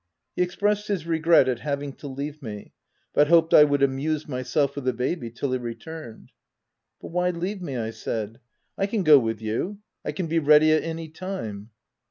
He expressed his regret at having to leave me, but hoped I would amuse myself with the baby till he returned. "But why leave me?' ' I said. "1 can go with you : I can be ready at any time."